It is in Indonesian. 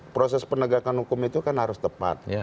proses penegakan hukum itu kan harus tepat